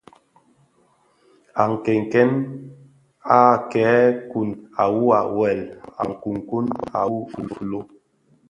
À kenken à këë kun à wuwà wëll, à kunkun à wu filo.